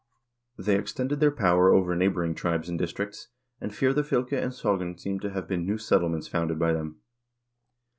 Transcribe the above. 1 They extended their power over neighboring tribes and districts, and Firoafvlke and Sogn seem to have been new settlements founded by them.